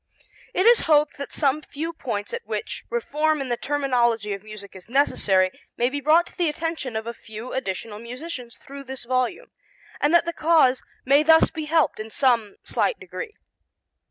It is hoped that some few points at which reform in the terminology of music is necessary may be brought to the attention of a few additional musicians thru this volume, and that the cause may thus be helped in some slight degree.